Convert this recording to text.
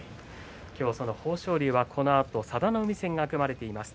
その豊昇龍はこのあと佐田の海戦が組まれています。